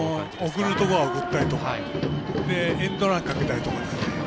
送るところは送ったりとかエンドランかけたりとか。